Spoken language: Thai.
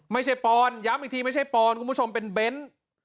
ไม่ใช่ปอนย้ำอีกทีไม่ใช่ปอนคุณผู้ชมเป็นเบนส์